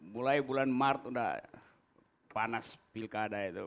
mulai bulan maret udah panas pilkada itu